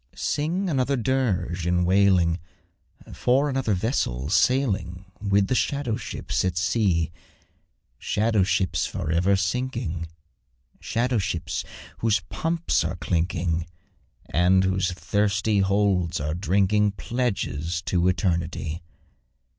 Sing another dirge in wailing, For another vessel sailing With the shadow ships at sea; Shadow ships for ever sinking Shadow ships whose pumps are clinking, And whose thirsty holds are drinking Pledges to Eternity.